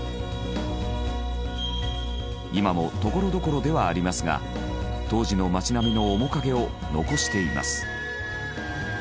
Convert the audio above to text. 今もところどころではありますが当時の町並みの面影を残しています。